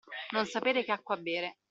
Non sapere che acqua bere.